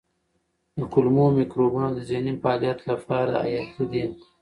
د کولمو مایکروبیوم د ذهني فعالیت لپاره حیاتي دی.